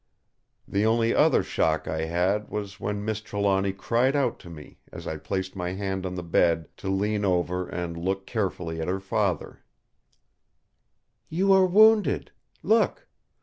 The only other shock I had was when Miss Trelawny cried out to me, as I placed my hand on the bed to lean over and look carefully at her father: "You are wounded. Look!